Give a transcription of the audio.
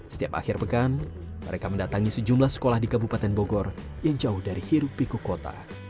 setiap akhir pekan mereka mendatangi sejumlah sekolah di kabupaten bogor yang jauh dari hirup piku kota